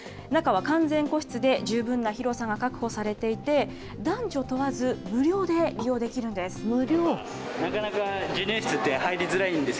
中は完全個室で、十分な広さが確保されていて、男女問わず無料で利用できるんです。